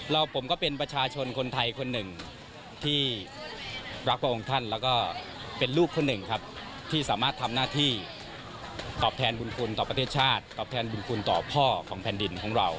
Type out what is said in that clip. ผมก็เป็นประชาชนคนไทยคนหนึ่งที่รักพระองค์ท่านแล้วก็เป็นลูกคนหนึ่งครับที่สามารถทำหน้าที่ตอบแทนบุญคุณต่อประเทศชาติตอบแทนบุญคุณต่อพ่อของแผ่นดินของเรา